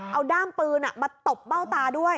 เอาด้ามปืนมาตบเบ้าตาด้วย